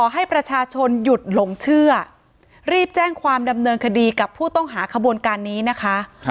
ให้แจ้งความดำเนินคดีกับผู้ต้องหาขบวนการนี้นะคะ